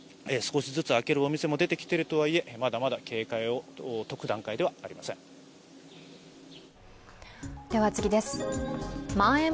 少しずつ開けるお店も出てきているとはいえ、まだまだ警戒を解く段階ではありません。